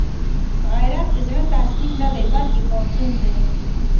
غیرت د زړه تسلیم نه دی، بلکې پاڅون دی